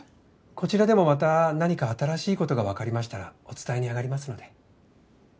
こちらでもまた何か新しいことが分かりましたらお伝えにあがりますので。